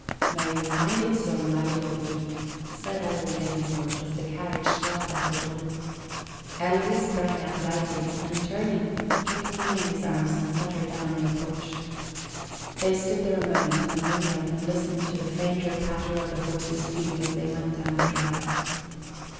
"May you find it so, my little Eve," said Ellery Davenport, as the carriage stopped at the door. Ellery sprang out lightly, and, turning, took Tina in his arms and set her down in the porch. They stood there a moment in the moonlight, and listened to the fainter patter of the horses' feet as they went down the drive.